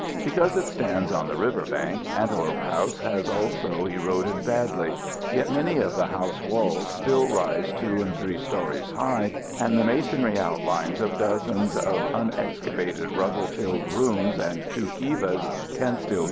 Because it stands on the river bank, Antelope House has also eroded badly. Yet many of the house walls still rise two and three stories high, and the masonry outlines of dozens of unexcavated rubble filled rooms and of two kivas can still be seen.